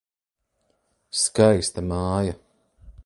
Skaista māja.